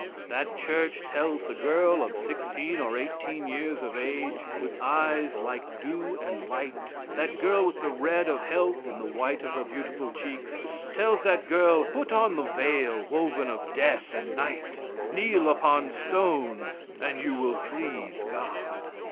That Church tells the girl of 16 or 18 years of age, with eyes like dew and light that girl with the red of health in the white of her beautiful checks tells that girl, "Put on the veil woven of death and night, kneel upon stones, and you will please God."